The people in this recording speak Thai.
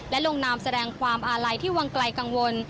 และลงนามแสดงความอาลัยที่วังไกลกังวล